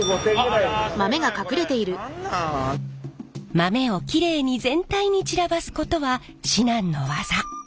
豆をきれいに全体に散らばすことは至難の業。